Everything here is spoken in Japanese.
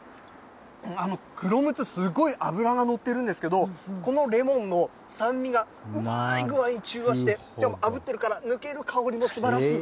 クロムツ、すごい脂が乗ってるんですけど、このレモンの酸味がうまい具合に中和して、でも、あぶってるから抜ける香りもすばらしい。